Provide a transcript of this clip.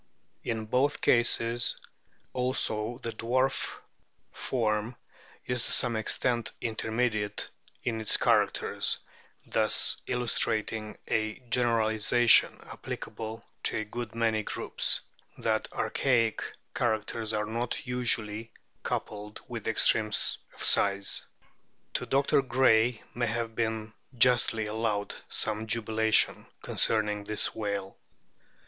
In both cases also the dwarf form is to some extent intermediate in its characters, thus illustrating a generalisation applicable to a good many groups that archaic characters are not usually coupled with extremes of size. To Dr. Gray may have been justly allowed some jubilation concerning this whale.